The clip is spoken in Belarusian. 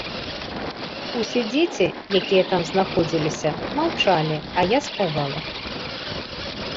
Усе дзеці, якія там знаходзіліся, маўчалі, а я спявала.